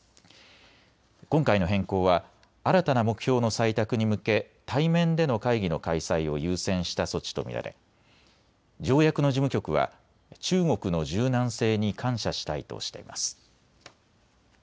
今回の変更は新たな目標の採択に向け対面での会議の開催を優先した措置と見られ条約の事務局は中国の柔軟性に感謝したいとしています。